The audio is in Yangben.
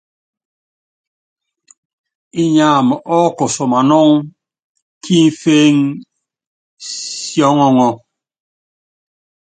Inyam ɔ́kɔsɔ manɔŋ kí imféŋ sí ɔŋɔŋɔ́.